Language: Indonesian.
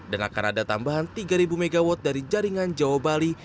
dan akan ada tambahan tiga ribu mw dari jaringan jawa bali